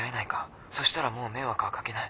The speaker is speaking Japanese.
そしたらもう迷惑はかけない。